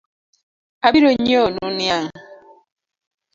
Abironyieonu niang’